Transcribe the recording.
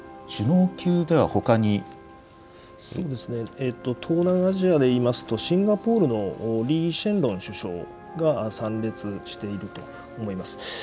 そうですね、東南アジアでいいますと、シンガポールのリー・シェンロン首相が参列していると思います。